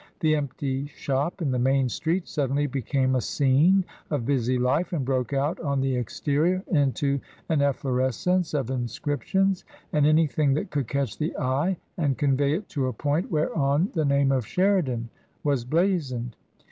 The empty shop in the main street suddenly became a scene of busy life, and broke out on the exterior into an efflorescence of inscriptions and anything that could catch the eye and convey it to a point whereon the name of " Sheridan*' was blazoned.